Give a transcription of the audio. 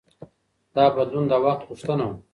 دا بدلون د وخت غوښتنه وه.